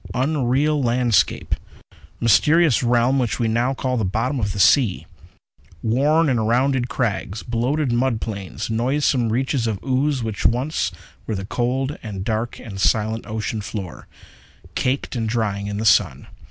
Unreal landscape! Mysterious realm which now we call the bottom of the sea! Worn and rounded crags; bloated mud plains; noisome reaches of ooze which once were the cold and dark and silent ocean floor, caked and drying in the sun.